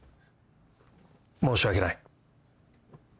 申し訳ない。